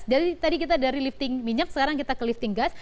jadi tadi kita dari lifting minyak sekarang kita ke lifting gas